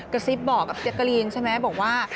กระซิบบอกกับแจ๊กกะลีนใช่ไหมบอกว่า